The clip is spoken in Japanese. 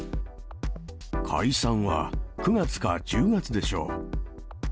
解散は９月か１０月でしょう。